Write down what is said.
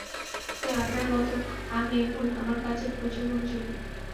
তাই আপনার মত আমি এখন আমার কাজে প্রচুর মনোযোগী।